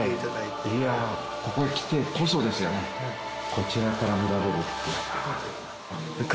こちらから見られるって。